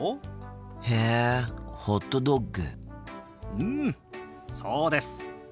うんそうです。